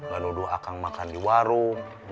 gak nuduh akang makan di warung